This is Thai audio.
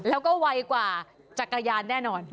แล้วก็ไวกว่าจักรยานแน่นอน